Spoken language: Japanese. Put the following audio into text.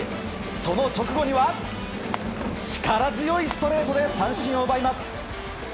その直後には力強いストレートで三振を奪います。